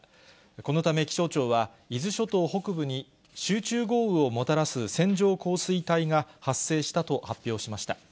このため気象庁は、伊豆諸島北部に、集中豪雨をもたらす線状降水帯が発生したと発表しました。